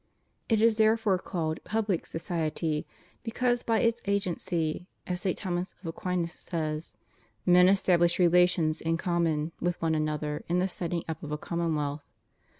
It is therefore called public society, because by its agency, as St. Thomas of Aquin says, "Men establish relations in common with one another in the setting up of a commonwealth."